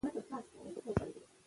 عدل پر څلور قسمه دئ.